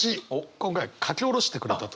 今回書き下ろしてくれたということで。